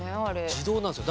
自動なんですよ。